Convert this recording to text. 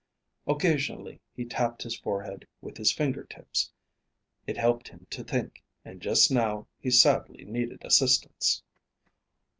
Occasionally he tapped his forehead with his finger tips. It helped him to think, and just now he sadly needed assistance.